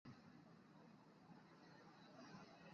在有机合成中用于保护如醇和羧酸等化合物当中的羟基。